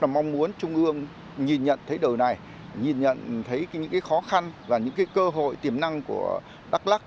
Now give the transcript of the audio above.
mong muốn trung ương nhìn nhận thấy đời này nhìn nhận thấy những khó khăn và những cơ hội tiềm năng của đắk lắc